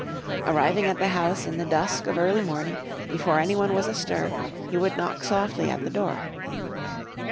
Arriving at the house in the dusk of early morning, before any one was astir he would knock softly at the door.